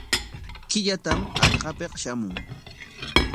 Killatam hallqapik shamun.